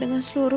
terima kasih bu